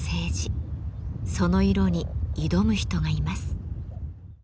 その色に挑む人がいます。